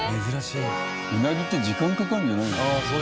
うなぎって時間かかるんじゃないの？